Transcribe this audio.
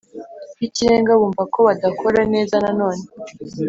Y ikirenga bumva ko badakora neza nanone